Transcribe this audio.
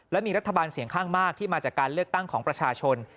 และมีรัฐบาลเสียงข้างมากที่มาจากการเลือกตั้งของประชาชน